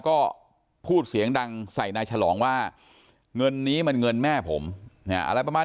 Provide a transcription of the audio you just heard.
ก็พูดเสียงดังใส่นายฉลองว่าเงินนี้มันเงินแม่ผมอะไรประมาณ